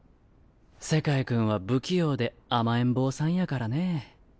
セカイ君は不器用で甘えん坊さんやからね。